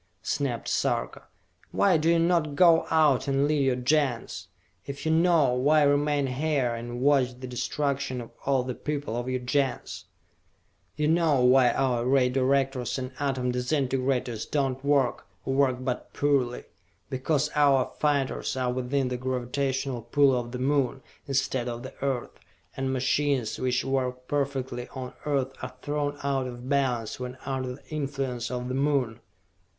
snapped Sarka. "Why do you not go out and lead your Gens? If you know, why remain here and watch the destruction of all the people of your Gens?" "You know why our Ray Directors and Atom Disintegrators do not work, or work but poorly? Because our fighters are within the gravitational pull of the Moon, instead of the Earth, and machines which work perfectly on Earth are thrown out of balance when under the influence of the Moon!"